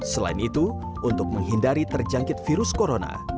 selain itu untuk menghindari terjangkit virus corona